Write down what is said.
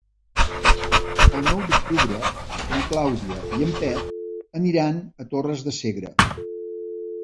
El nou d'octubre na Clàudia i en Pep aniran a Torres de Segre.